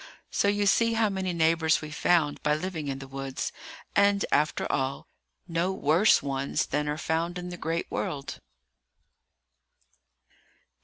So you see how many neighbours we found by living in the woods, and, after all, no worse ones than are found in the great world.